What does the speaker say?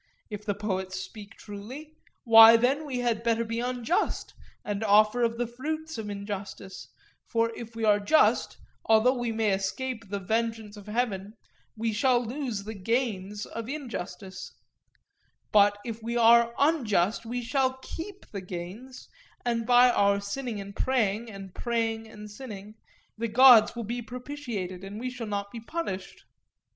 If the poets speak truly, why then we had better be unjust, and offer of the fruits of injustice; for if we are just, although we may escape the vengeance of heaven, we shall lose the gains of injustice; but, if we are unjust, we shall keep the gains, and by our sinning and praying, and praying and sinning, the gods will be propitiated, and we shall not be punished.